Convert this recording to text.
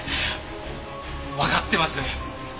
わかってます。